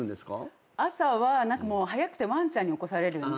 朝は早くてワンちゃんに起こされるんで。